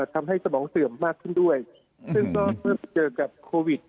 ทำให้สมองเสื่อมมากขึ้นด้วยเพื่อก็เจอกับโควิด